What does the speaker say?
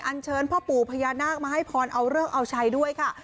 เชิญพ่อปู่พญานาคมาให้พรเอาเลิกเอาชัยด้วยค่ะ